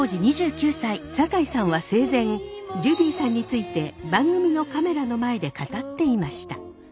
酒井さんは生前ジュディさんについて番組のカメラの前で語っていました。